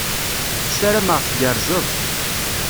Ssarameɣ tgerrzed.